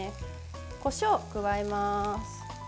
こしょうを加えます。